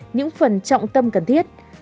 những phần trọng tâm cần thiết